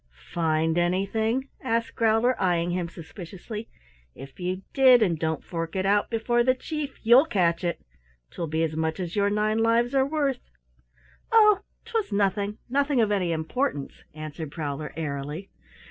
"Find anything?" asked Growler, eying him suspiciously. "If you did, and don't fork it out before the Chief, you'll catch it. 'Twill be as much as your nine lives are worth!" "Oh, 'twas nothing nothing of any importance," answered Prowler airily.